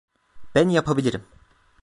Ben yapabilirim.